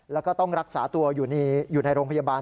แล้วก็ต้องรักษาตัวอยู่ในโรงพยาบาล